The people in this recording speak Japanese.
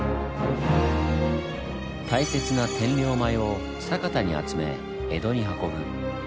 大切な天領米を酒田に集め江戸に運ぶ。